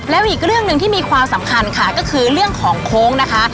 แล้วอีกเรื่องหนึ่งที่มีความสำคัญค่ะก็คือเรื่องของโค้งนะคะ